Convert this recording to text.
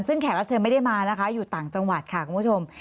ซึ่งแขกรับเชิญไม่ได้มานะคะอยู่ต่างจังหวัดค่ะคุณผู้ชม